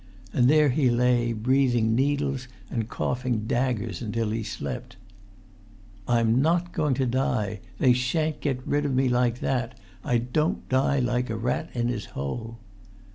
And there he lay, breathing needles and coughing daggers until he slept. "I'm not going to die. They shan't get rid of me like that. I don't die like a rat in his hole!"